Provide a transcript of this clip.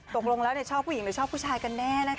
ตกลงแล้วชอบผู้หญิงหรือชอบผู้ชายกันแน่นะคะ